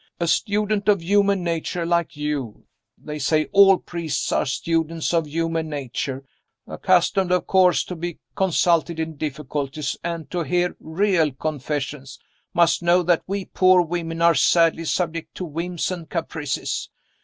A student of human nature like you they say all priests are students of human nature; accustomed of course to be consulted in difficulties, and to hear real confessions must know that we poor women are sadly subject to whims and caprices.